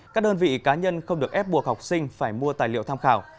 các đơn vị cá nhân không được ép buộc học sinh phải mua tài liệu tham khảo